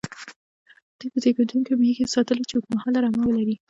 دوی به زېږوونکې مېږې ساتلې، چې اوږد مهاله رمه ولري.